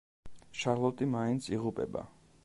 შარლოტი მაინც იღუპება.